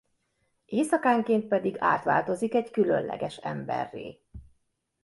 Éjszakánként pedig átváltozik egy különleges emberré.